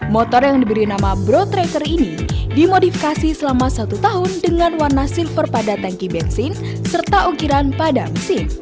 motor yang diberi nama bro tracker ini dimodifikasi selama satu tahun dengan warna silver pada tanki bensin serta ukiran pada mesin